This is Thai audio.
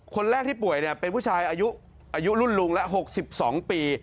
คนแรกที่ป่วยเป็นผู้ชายอายุรุ่นลุงแล้ว๖๒ปี